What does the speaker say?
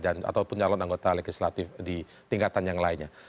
ataupun calon anggota legislatif di tingkatan yang lainnya